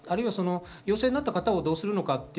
陽性になった方をどうするのか。